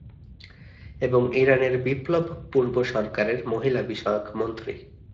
এবং ইরানের বিপ্লব-পূর্ব সরকারের মহিলা বিষয়ক মন্ত্রী।